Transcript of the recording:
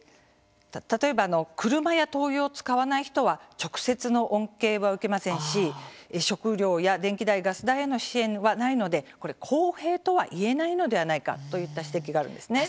車や灯油を使わない人は直接の恩恵は受けませんし食料や電気代、ガス代への支援はないので公平とはいえないのではないかといった指摘があるんですね。